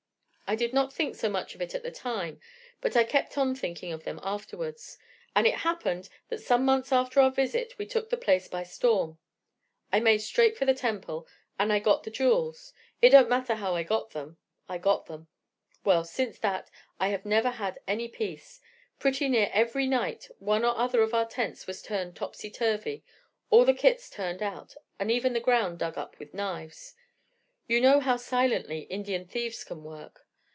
I did not think so much of it at the time, but I kept on thinking of them afterwards, and it happened that some months after our visit we took the place by storm. I made straight for the temple, and I got the jewels. It don't matter how I got them I got them. Well, since that I have never had any peace; pretty near every night one or other of our tents was turned topsy turvy, all the kits turned out, and even the ground dug up with knives. You know how silently Indian thieves can work.